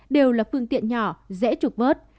đều là phương tiện nhỏ dễ trục vớt